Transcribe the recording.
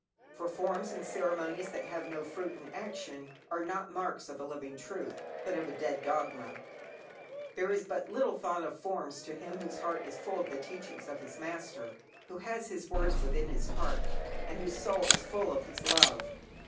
For forms and ceremonies that have no fruit in action are not marks of a living truth, but of a dead dogma. There is but little thought of forms to him whose heart is full of the teaching of his Master, who has His words within his heart, and whose soul is full of His love.